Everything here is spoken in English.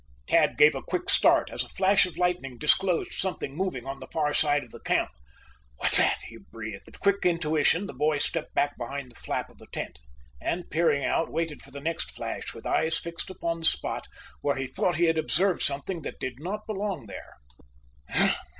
Tad gave a quick start as a flash of lightning disclosed something moving on the far side of the camp. "What's that!" he breathed. With quick intuition, the boy stepped back behind the flap of the tent, and, peering out, waited for the next flash with eyes fixed upon the spot where he thought he had observed something that did not belong there.